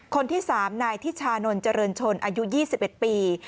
คนที่๓นายทิชานนท์เจริญชนอายุ๒๑ปี